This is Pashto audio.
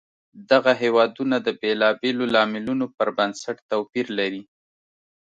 دغه هېوادونه د بېلابېلو لاملونو پر بنسټ توپیر لري.